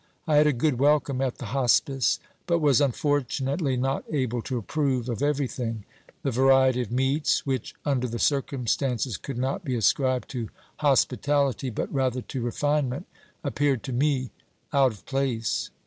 I had a good welcome at the hospice, but was unfortunately not able to approve of everything. The variety of meats, which, under the circumstances, could not be ascribed to hospitality but rather to refinement, appeared to me out of place.